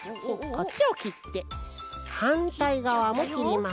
こっちをきってはんたいがわもきります。